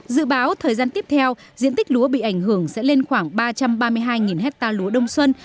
dự báo thời gian tiếp theo diện tích lúa bị ảnh hưởng sẽ lên khoảng ba trăm ba mươi hai hectare lúa đông xuân